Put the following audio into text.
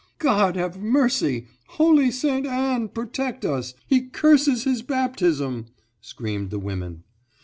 "God have mercy!—Holy St. Anne protect us!—He curses his Baptism!" screamed the women.